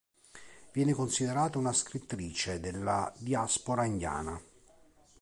Viene considerata una scrittrice della diaspora indiana.